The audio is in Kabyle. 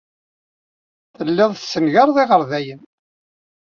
Tellid tessengared iɣerdayen.